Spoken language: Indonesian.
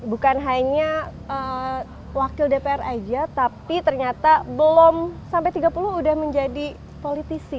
bukan hanya wakil dpr aja tapi ternyata belum sampai tiga puluh udah menjadi politisi